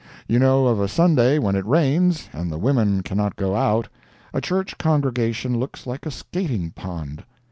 You know of a Sunday when it rains, and the women cannot go out, a church congregation looks like a skating pond.